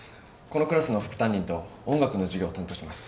このクラスの副担任と音楽の授業を担当します。